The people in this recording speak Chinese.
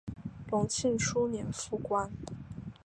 隆庆初年复官。